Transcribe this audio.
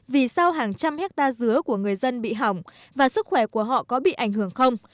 vì sao hàng trăm hectare dứa của người dân bị hỏng và sức khỏe của họ có bị ảnh hưởng không